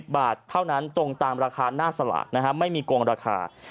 บาทเท่านั้นตรงตามราคาหน้าสลากไม่มีโกงราคา